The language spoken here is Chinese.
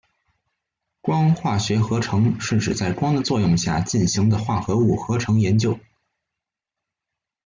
光化学合成是指在光的作用下进行的化合物合成研究。